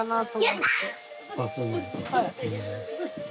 はい。